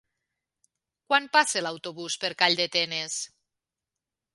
Quan passa l'autobús per Calldetenes?